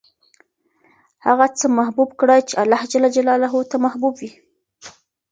هغه څه محبوب کړه چې اللهﷻ ته محبوب وي.